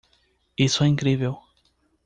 Isso é incrível!